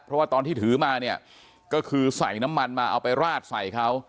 เพราะว่าตอนที่ถือมาเนี่ยก็คือใส่น้ำมันมาเอาไปราดใส่เขา